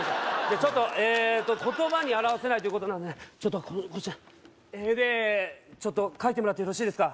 ちょっとえと言葉に表せないということなんでちょっとこちら絵でちょっと描いてもらってよろしいですか？